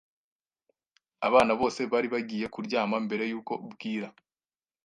Abana bose bari bagiye kuryama mbere yuko bwira.